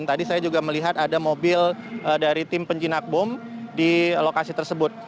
jadi saya juga melihat ada mobil dari tim penjinak bom di lokasi tersebut